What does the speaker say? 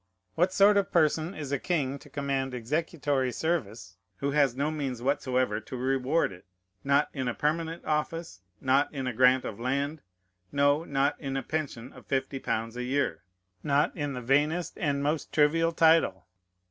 What sort of person is a king to command executory service, who has no means whatsoever to reward it: not in a permanent office; not in a grant of land; no, not in a pension of fifty pounds a year; not in the vainest and most trivial title?